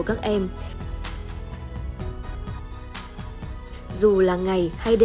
các anh chỉ yên tâm khi biết nạn nhân giải cứu đã trở về an toàn trong vòng tay yêu thương của gia đình